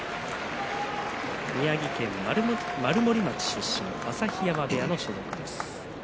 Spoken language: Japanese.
宮城県丸森町出身朝日山部屋の所属です。